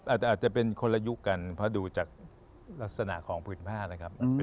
อาจจะเป็นคนละยุคกันเพราะดูจากลักษณะของผืนผ้านะครับ